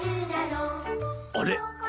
あれ？